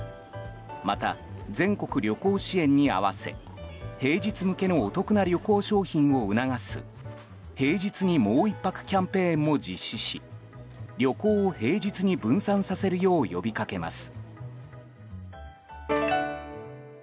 また、全国旅行支援に合わせ平日向けのお得な旅行商品を促す平日にもう１泊キャンペーンも実施し旅行を平日に分散させるよう呼びかけます。